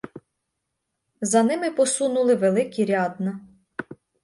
За ними посунули великі рядна.